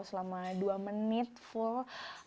selama dua menit penuh